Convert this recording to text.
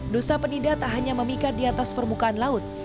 dosa penida tak hanya memikat di atas permukaan laut